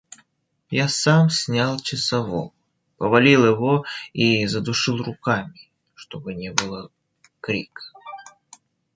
Я сам снял часового: повалил его и задушил руками, чтобы не было крика.